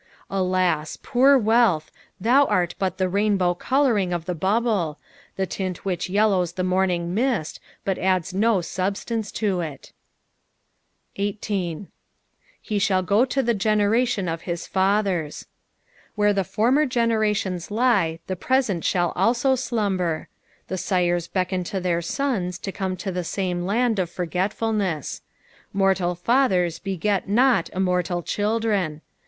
Alas ! poor wealth, thou art but the rainbow colouring of the bubble, the tint which yellows the morning miat, but addn no substance to it. 18. "Si shali go U> the generatvm of his faikeri.^^ Where the former generations lie, the present shall also slumber. The ures beckon to their sons to come to the same land of forgetful ness. Mortal fathers beget not immortal children.